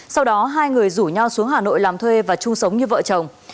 sau đó hai người rủ nhau xuống hà nội làm thuê và chung sống như vợ chồng